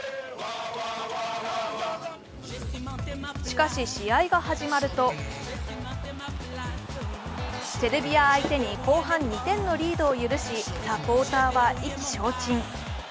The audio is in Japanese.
しかし試合が始まるとセルビア相手に後半２点のリードを許しサポーターは意気消沈。